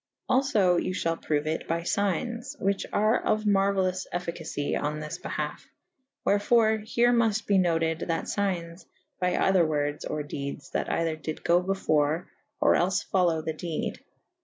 Alfo you fhall proue it by fygnes / which are of merueyloufe efficacye in this behalfe / wherfore here mufte be noted that fygnes be eyther wordes or dedes that eyther dyd go before or els folowe the dede.